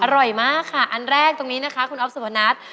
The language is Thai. อร่อยมากค่ะอันแรกตรงนี้นะคะคุณอ๊อฟสุพนัท